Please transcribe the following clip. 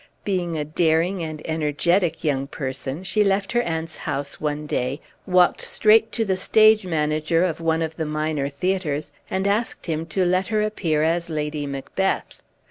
Being a daring and energetic young person, she left her aunt's house one day, walked straight to the stage manager of one of the minor theatres, and asked him to let her appear as Lady Macbeth.